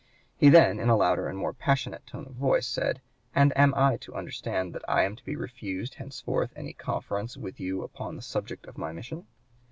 He then, in a louder and more passionate tone of voice, said: 'And am I to understand that I am to be refused henceforth any conference with you upon the subject of my mission?'